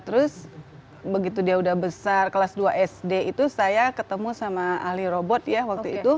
terus begitu dia udah besar kelas dua sd itu saya ketemu sama ahli robot ya waktu itu